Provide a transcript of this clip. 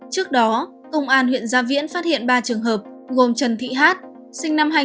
trước đó công an huyện gia viễn phát hiện ba trường hợp gồm trần thị hát sinh năm hai nghìn